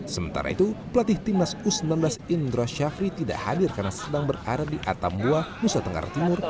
sementara itu pelatih timnas u sembilan belas indra syafri tidak hadir karena sedang berada di atambua nusa tenggara timur